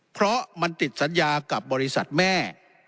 เพราะมันติดสัญญากับบริษัทแม่